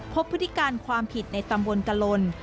พฤติการความผิดในตำบลกะลน